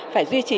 phải duy trì